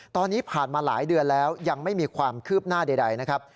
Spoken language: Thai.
ตอนนี้ผ่านมาหลายเดือนแล้วยังไม่มีความคืบหน้าใดนะครับ